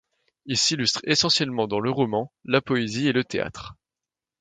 Il s'illustre essentiellement, dans le roman, la poésie et le théâtre.